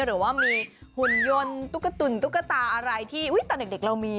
หรือว่ามีหุ่นยนต์ตุ๊กตุ๋นตุ๊กตาอะไรที่ตอนเด็กเรามี